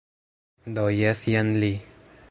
Do, jes jen li...